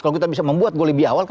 kalau kita bisa membuat gol lebih awal